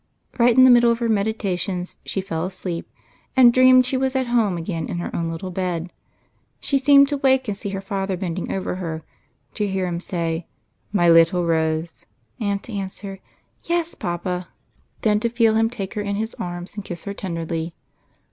Right in the middle of her meditations, she fell asleep and dreamed she was at home again in her own little bed. She seemed to wake and see her father bending over her ; to hear him say, " My little Rose ;" 22 • EIGHT COUSINS. to answer, " Yes, papa ;" and then to feel him take her in his arms and kiss her tenderly.